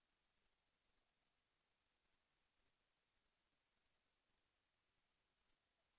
แสวได้ไงของเราก็เชียนนักอยู่ค่ะเป็นผู้ร่วมงานที่ดีมาก